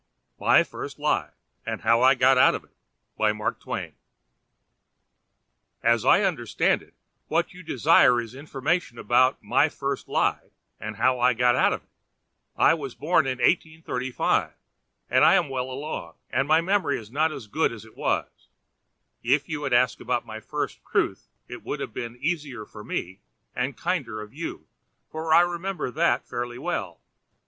MY FIRST LIE, AND HOW I GOT OUT OF IT As I understand it, what you desire is information about 'my first lie, and how I got out of it.' I was born in 1835; I am well along, and my memory is not as good as it was. If you had asked about my first truth it would have been easier for me and kinder of you, for I remember that fairly well.